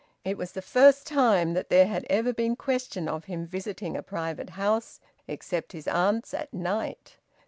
It was the first time that there had ever been question of him visiting a private house, except his aunt's, at night.